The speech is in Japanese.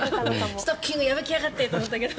ストッキングやぶきやがって！って思ったんだけど。